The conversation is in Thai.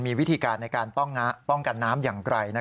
มีวิธีการในการป้องกันน้ำอย่างไกล